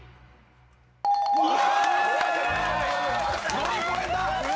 乗り越えた！